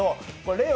令和